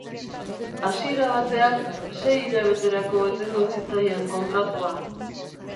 Hasiera batean, sei hilabeterako etengo zitzaien kontratua.